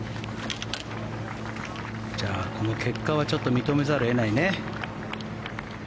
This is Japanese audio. じゃあこの結果はちょっと認めざるを得ないね。